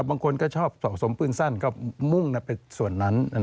บางคนก็ชอบสะสมปืนสั้นก็มุ่งไปส่วนนั้น